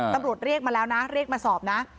ตำรวจเรียกมาแล้วนะเรียกมาสอบนะ